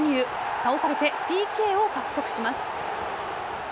倒されて、ＰＫを獲得します。